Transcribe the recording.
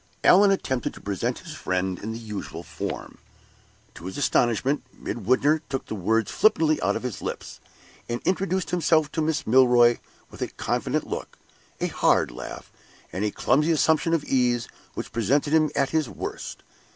Allan attempted to present his friend in the usual form. To his astonishment, Midwinter took the words flippantly out of his lips, and introduced himself to Miss Milroy with a confident look, a hard laugh, and a clumsy assumption of ease which presented him at his worst.